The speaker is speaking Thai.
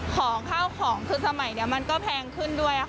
ของข้าวของคือสมัยนี้มันก็แพงขึ้นด้วย